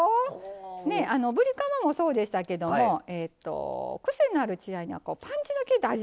ぶりカマもそうでしたけどもクセのある血合いにはパンチのきいた味付けが合うんですね。